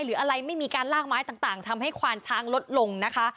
หรืออะไรไม่มีการลากไม้ต่างทำให้ควานช้างลดลงนะคะ